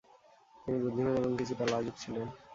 তিনি বুদ্ধিমান এবং কিছুটা লাজুক ছিলেন।